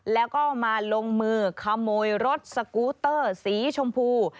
แล้วก็มาลงมือขโมยรถสกูเตอร์สีชมพู